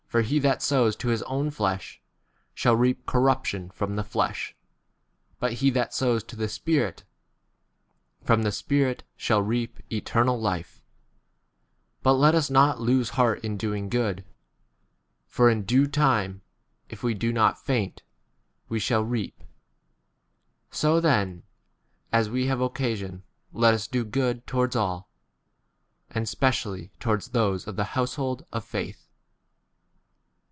he that sows to his own flesh shall reap corruption from the flesh; bnt he that sows to the Spirit, from the Spirit shall reap 9 eternal life : bnt let ns not lose heart in doing; good ; for in due time, if we do not faint, we shall 10 reap. So then, as we have occa sion let us do good 1 towards all, and specially toward those of the household of faith.